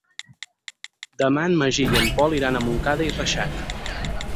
Demà en Magí i en Pol iran a Montcada i Reixac.